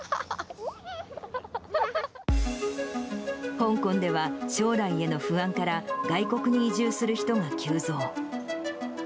香港では、将来への不安から、外国に移住する人が急増。